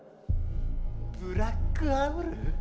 ブラックアウル？